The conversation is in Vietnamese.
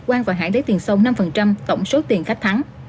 quang và hải lấy tiền sâu năm tổng số tiền khách thắng